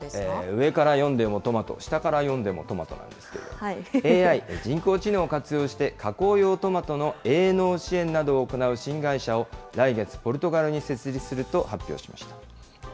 上から読んでもトマト、下から読んでもトマトなんですけど、ＡＩ・人工知能を活用して、加工用トマトの営農支援などを行う新会社を来月、ポルトガルに設立すると発表しました。